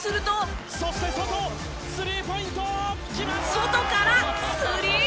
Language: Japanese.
外からスリー！